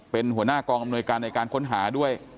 เป็นหัวหน้ากองอำนวยการในการค้นหาด้วย